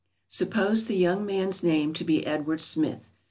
Suppose the young man's name to be Edward Smith.